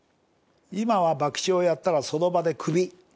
今は博打をやったらその場でクビ。